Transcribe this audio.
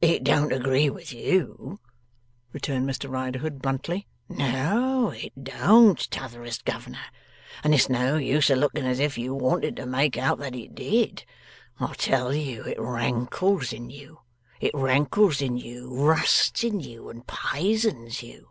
'It don't agree with YOU,' returned Mr Riderhood, bluntly. 'No! It don't, T'otherest Governor, and it's no use a lookin' as if you wanted to make out that it did. I tell you it rankles in you. It rankles in you, rusts in you, and pisons you.